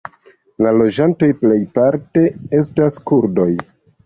La loĝantoj plejparte estas kurdoj.